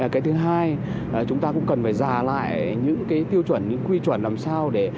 cái thứ hai chúng ta cũng cần phải giả lại những quy chuẩn làm sao để